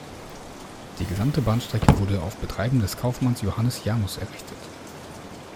Die gesamte Bahnstrecke wurde auf Betreiben des Kaufmanns Johannes Janus errichtet.